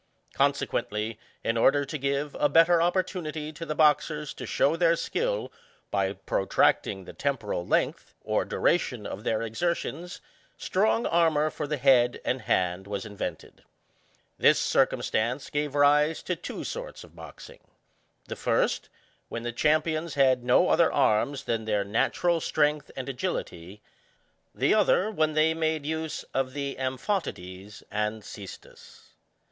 Consequently, in order to give a better opportunity to the boxers to show their skill, by protracting the temporal length, or duration of their exertions, strong armour for the head and hand was invented. This circumstance gave rise to two sorts of boxing. The first, when the champions had no other arms than their natural strength and agility ; the other, when they made use of the ampAotides and ccestus.